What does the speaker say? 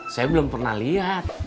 saya belum pernah lihat